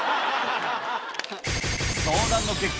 相談の結果